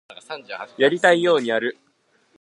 やりたいようにやる